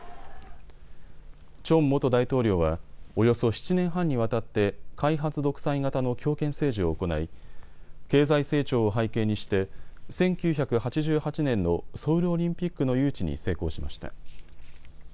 チョン元大統領はおよそ７年半にわたって開発独裁型の強権政治を行い経済成長を背景にして１９８８年のソウルオリンピックの誘致に成功しました。